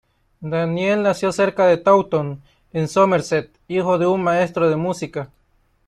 Daniel nació cerca de Taunton en Somerset, hijo de un maestro de música.